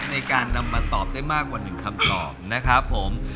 ในการนำมาตอบได้มากกว่า๑คำตอบนะครับผม